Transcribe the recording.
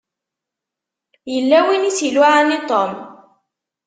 Yella win i s-iluɛan i Tom.